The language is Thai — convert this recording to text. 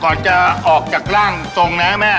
ก่อนจะออกจากร่างสงเนครับแม่